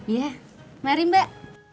ya mari mbak